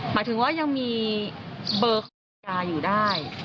หมายถึงว่ายังมีเบอร์ของดีกาอยู่ได้